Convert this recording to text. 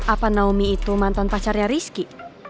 apa naomi itu mantan pacarnya rizky